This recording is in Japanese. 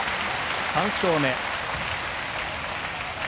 ３勝目。